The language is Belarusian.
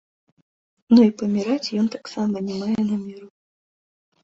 Ну і паміраць ён таксама не мае намеру.